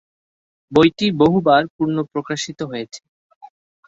বইটি বহুবার পুনঃ প্রকাশিত হয়েছে।